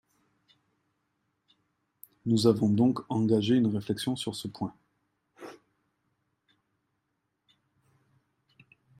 Nous avons donc engagé une réflexion sur ce point.